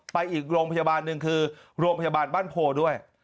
อีกโรงพยาบาลหนึ่งคือโรงพยาบาลบ้านโพด้วย